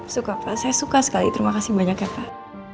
suka pak saya suka sekali terima kasih banyak ya pak